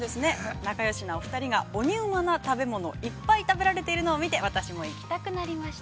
仲よしなお二人が、鬼ウマな食べ物、いっぱい食べられているのを見て、私も行きたくなりました。